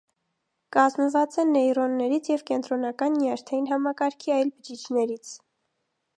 Կազմված է նեյրոններից և կենտրոնական նյարդային համակարգի այլ բջիջներից։